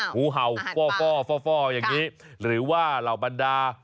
งูเห่าอาหารป่าวครับอย่างนี้หรือว่าเหล่าบรรดา